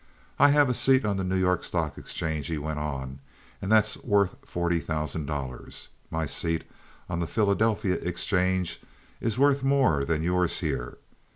"I have a seat on the New York Stock Exchange," he went on, "and that's worth forty thousand dollars. My seat on the Philadelphia exchange is worth more than yours here.